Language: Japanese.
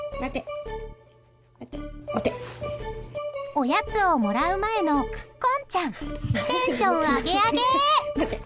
おやつをもらう前のこんちゃんテンション上げ上げ。